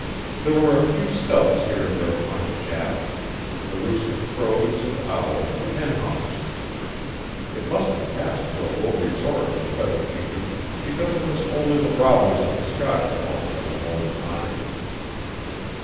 There were a few stubs here and there upon its shaft the roost of crows and owls and hen hawks. It must have passed for a low resort in the feathered kingdom because it was only the robbers of the sky that halted on Lone Pine.